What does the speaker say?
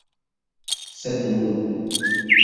Sed nun?